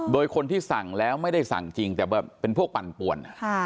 โดยคนที่สั่งแล้วไม่ได้สั่งจริงแต่แบบเป็นพวกปั่นป่วน